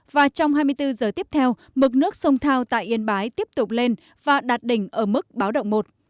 và trong hai mươi bốn giờ tiếp theo mực nước sông thao tại yên bái tiếp tục lên và đạt đỉnh ở mức báo động một